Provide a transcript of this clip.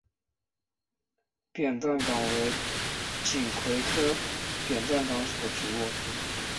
扁担杆为锦葵科扁担杆属的植物。